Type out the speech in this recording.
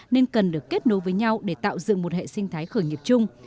nên cần được kết nối với nhau để tạo dựng một hệ sinh thái khởi nghiệp chung